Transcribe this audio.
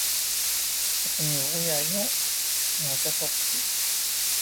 Akken yebɣu yeɛyu, yerǧa-t uxeddim.